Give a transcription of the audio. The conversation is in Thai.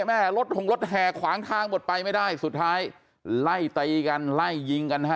แม่รถหงรถแห่ขวางทางหมดไปไม่ได้สุดท้ายไล่ตีกันไล่ยิงกันฮะ